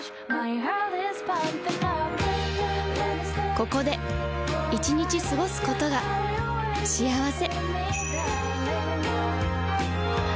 ここで１日過ごすことが幸せ